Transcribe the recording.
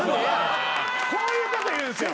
こういうこと言うんですよ。